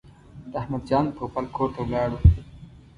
د احمد جان پوپل کور ته ولاړو.